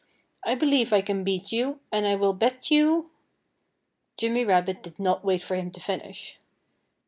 "I believe I can beat you. And I will bet you " Jimmy Rabbit did not wait for him to finish.